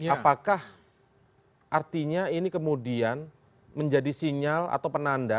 apakah artinya ini kemudian menjadi sinyal atau penanda